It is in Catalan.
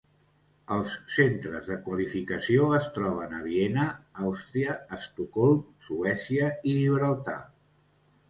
Els centres de qualificació es troben a Viena, Àustria, Estocolm, Suècia i Gibraltar.